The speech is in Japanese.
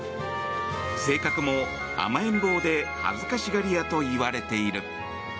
性格も甘えん坊で恥ずかしがり屋といわれている。